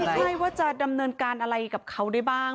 ใช่ว่าจะดำเนินการอะไรกับเขาได้บ้าง